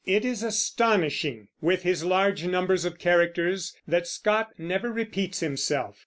It is astonishing, with his large numbers of characters, that Scott never repeats himself.